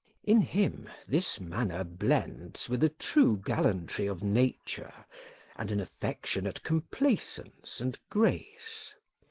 In him this manner blends with a true gallantry of nature, and an affectionate complaisance and grace.